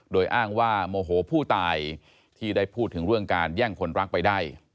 โดยอ้างว่าโมโหผู้ตายที่ได้พูดถึงเรื่องการแย่งคนรักไปได้